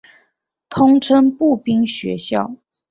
通称步兵学校。